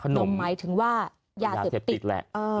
หนุ่มหมายถึงว่ายาเสพติดแหละ